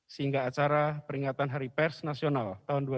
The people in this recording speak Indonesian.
sehingga acara peringatan hari pers nasional tahun dua ribu dua puluh